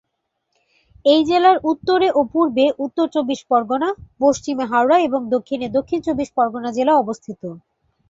এই জেলার উত্তরে ও পূর্বে উত্তর চব্বিশ পরগনা, পশ্চিমে হাওড়া এবং দক্ষিণে দক্ষিণ চব্বিশ পরগনা জেলা অবস্থিত।